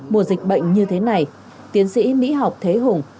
mùa dịch bệnh như thế này tiến sĩ mỹ học thế hùng